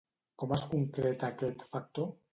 Com es concreta aquest factor?